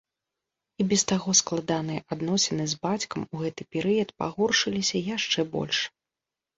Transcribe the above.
І без таго складаныя адносіны з бацькам у гэты перыяд пагоршыліся яшчэ больш.